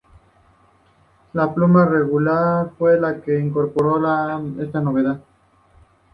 La pluma Regular fue la que incorporó esta novedad.